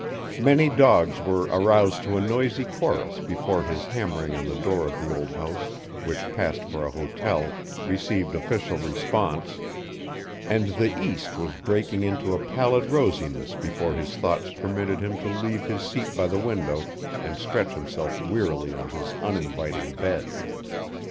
Many dogs were aroused to a noisy chorus before his hammering on the door of the old house which passed for a hotel received official response, and the east was breaking into a pallid rosiness before his thoughts permitted him to leave his seat by the window and stretch himself wearily on his uninviting bed.